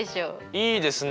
いいですね